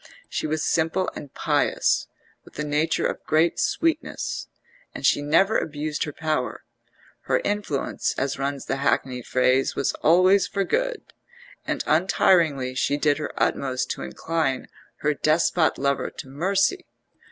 She was simple and pious, with a nature of great sweetness, and she never abused her power; her influence, as runs the hackneyed phrase, was always for good, and untiringly she did her utmost to incline her despot lover to mercy.